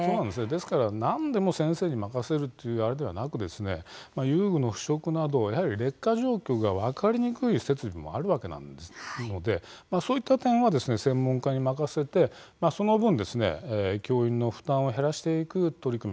だから何でも先生に任せるというのではなく遊具の腐食など劣化状況が分かりにくい設備もあるのでそういった点は専門家に任せてその分、教員の負担を減らしていく取り組み